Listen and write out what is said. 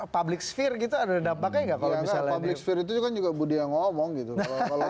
public sphere gitu ada dampaknya nggak kalau misalnya itu juga budaya ngomong gitu kalau